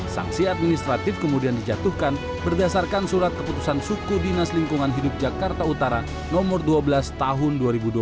sanksi administratif kemudian dijatuhkan berdasarkan surat keputusan suku dinas lingkungan hidup jakarta utara nomor dua belas tahun dua ribu dua puluh